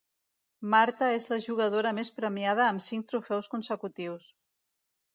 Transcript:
Marta és la jugadora més premiada amb cinc trofeus consecutius.